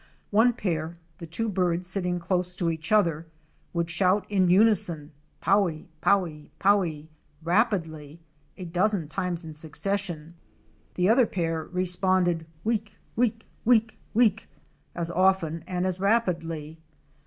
One pair (the two birds sitting close to each other) would shout in unison powie! powie! powie! rapidly a dozen times in succession. The other pair responded week! week! week! week! as often and as rapidly.